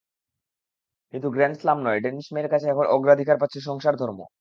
কিন্তু grand slam নয়, Danish মেয়ের কাছে এখন অগ্রাধিকার পাচ্ছে সংসার ধর্ম।